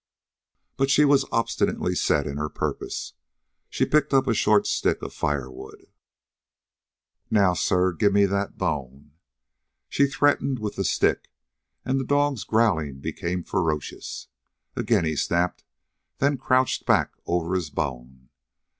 But she was obstinately set in her purpose. She picked up a short stick of firewood. "Now, sir, give me that bone." She threatened with the stick, and the dog's growling became ferocious. Again he snapped, then crouched back over his bone.